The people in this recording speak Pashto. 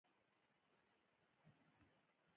لاره يې خوشې کړه.